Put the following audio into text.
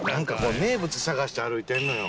名物探して歩いてるのよ。